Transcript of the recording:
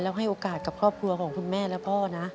แล้วให้โอกาสกับครอบครัวของคุณแม่และพ่อนะ